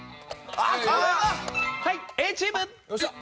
はい、Ａチーム。